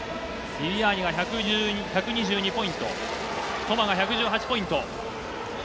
ビビアーニが１２２ポイント、トマが１１８ポイント。